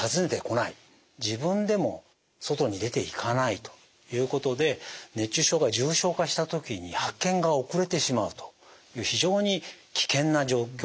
自分でも外に出ていかないということで熱中症が重症化した時に発見が遅れてしまうという非常に危険な状況が起こりえます。